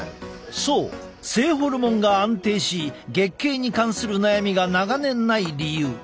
そう性ホルモンが安定し月経に関する悩みが長年ない理由。